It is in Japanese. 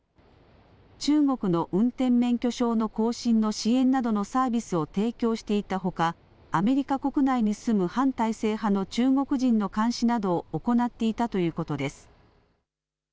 中国の運転免許証の更新の支援などのサービスを提供していたほかアメリカ国内に住む反体制派の中国人の監視などを行っていたということです。